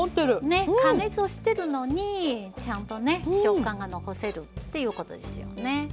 ね加熱してるのにちゃんとね食感が残せるっていうことですよね。